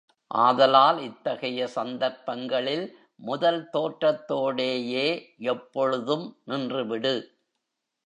ஆதலால் இத்தகைய சந்தர்ப்பங்களில் முதல் தோற்றத்தோடேயே எப்பொழுதும் நின்றுவிடு.